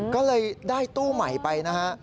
ก็เลยได้ตู้ใหม่ไปนะฮะ